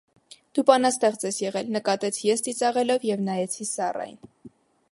- Դու բանաստեղծ ես եղել,- նկատեցի ես ծիծաղելով և նայեցի Սառային: